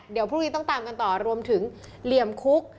เดี๋ยวพรุ่งนี้ต้องตามกันต่อรวมถึงเหลี่ยมคุก